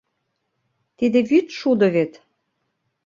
Тиде вӱд шудо вет!